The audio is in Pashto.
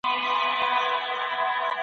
تاسو به د یو باسواده انسان په توګه ژوند کوئ.